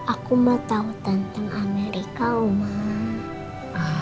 aku mau tau tentang amerika mama